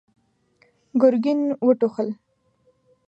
ګرګين وټوخل.